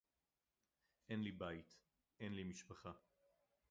אֵין לִי בַּיִת, אֵין לִי מִשְׁפָּחָה.